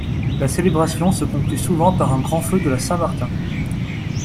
La célébration se conclut souvent par un grand feu de la Saint-Martin.